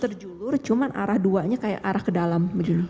terjulur cuman arah duanya kayak arah ke dalam